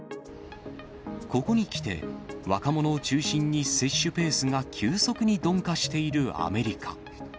ここに来て、若者を中心に接種ペースが急速に鈍化しているアメリカ。